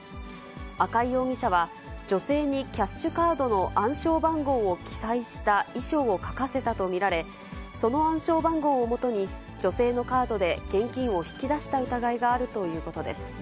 赤井容疑者は、女性にキャッシュカードの暗証番号を記載した遺書を書かせたと見られ、その暗証番号をもとに、女性のカードで現金を引き出した疑いがあるということです。